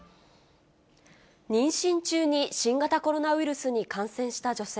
妊娠中に新型コロナウイルスに感染した女性。